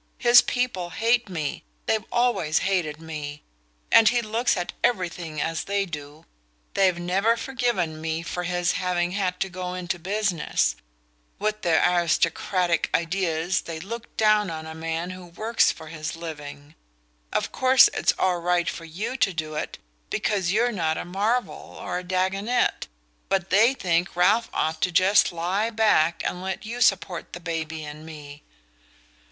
His people hate me, they've always hated me; and he looks at everything as they do. They've never forgiven me for his having had to go into business with their aristocratic ideas they look down on a man who works for his living. Of course it's all right for YOU to do it, because you're not a Marvell or a Dagonet; but they think Ralph ought to just lie back and let you support the baby and me."